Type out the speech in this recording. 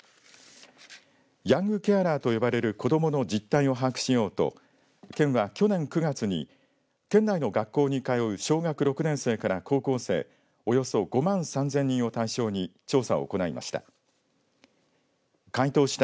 ヤングケアラーと呼ばれる子どもの実態を把握しようと県は去年９月に県内の学校に通う小学６年生から高校生およそ５万３０００人を対象に調査を行いました。